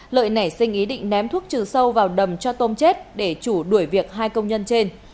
lợi nảy sinh ý định ném thuốc trừ sâu vào đầm cho tôm chết để chủ đuổi việc hai công nhân trên